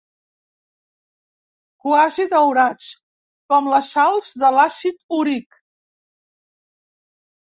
Quasi daurats, con les sals de l'àcid úric.